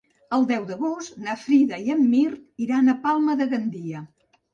El deu d'agost na Frida i en Mirt iran a Palma de Gandia.